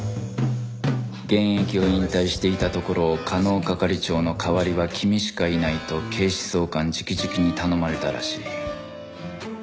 現役を引退していたところを加納係長の代わりは君しかいないと警視総監直々に頼まれたらしい